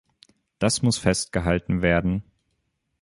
Das muss festgehalten werden.